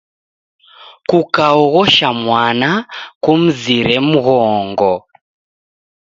Kukakaoghosha mwana, kumzire mghongo.